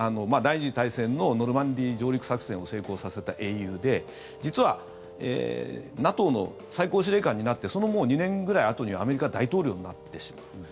第２次大戦のノルマンディー上陸作戦を成功させた英雄で実はＮＡＴＯの最高司令官になってその、もう２年ぐらいあとにはアメリカ大統領になってしまう。